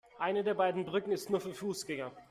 Eine der beiden Brücken ist nur für Fußgänger.